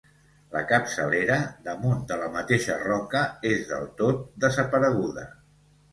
La capçalera, damunt de la mateixa roca, és del tot desapareguda.